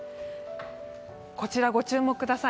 こちらご注目ください